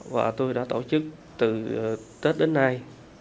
và tôi đã tổ chức từ tết đến nay